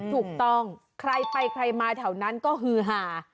ถูกต้องใครไปใครมาแถวนั้นก็ฮือหา